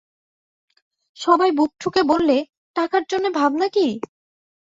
সবাই বুক ঠুকে বললে, টাকার জন্যে ভাবনা কী?